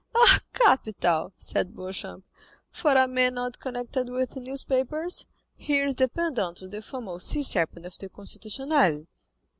"Ah, capital," said Beauchamp. "For a man not connected with newspapers, here is the pendant to the famous sea serpent of the Constitutionnel."